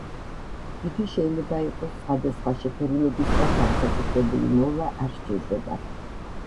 იგი შეიძლება იყოს სხვადასხვა შეფერილობის და განსაკუთრებული მოვლა არ სჭირდება.